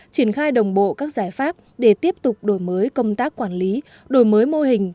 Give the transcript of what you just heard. triển khai đồng bộ các giải pháp để tiếp tục đổi mới công tác quản lý đổi mới mô hình